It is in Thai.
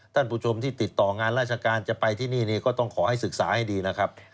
ท่านผู้ชมที่ติดต่องานราชการจะไปที่นี่ก็ต้องขอให้ศึกษาให้ดีนะครับ